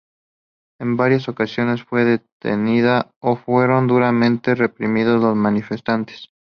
En varias ocasiones fue detenida o fueron duramente reprimidos los manifestantes.